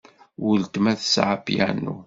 Weltma tesɛa apyanu.